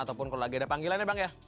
ataupun kalau lagi ada panggilan ya bang ya